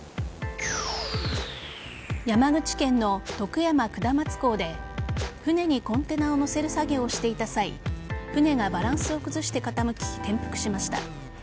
山口県の徳山下松港で船にコンテナを載せる作業をしていた際船がバランスを崩して傾き転覆しました。